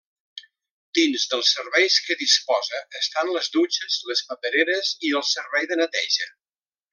Dins dels serveis que disposa estan les dutxes, les papereres i el servei de neteja.